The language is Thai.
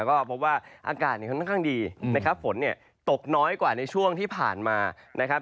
ก็พบว่าอากาศค่อนข้างดีนะครับฝนเนี่ยตกน้อยกว่าในช่วงที่ผ่านมานะครับ